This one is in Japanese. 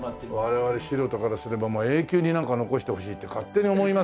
我々素人からすれば永久に残してほしいって勝手に思いますけどね。